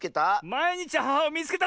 「まいにちアハハをみいつけた！」